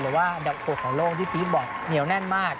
หรือว่าอันดับ๖ของโล่งที่พีชบอกเหนียวแน่นมาก